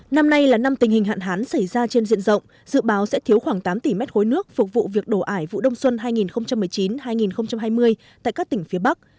năm nay là năm tình hình hạn hán xảy ra trên diện rộng dự báo sẽ thiếu khoảng tám tỷ mét hối nước phục vụ việc đổ ải vụ đông xuân hai nghìn một mươi chín hai nghìn hai mươi tại các tỉnh phía bắc